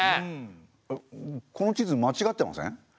この地図まちがってません？